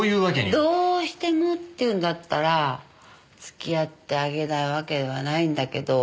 どうしてもっていうんだったら付き合ってあげないわけではないんだけど。